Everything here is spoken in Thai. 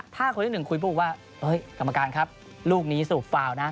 ถ้าคนที่๑คุยพูดว่ากรรมการครับลูกนี้สูบฟาวนะ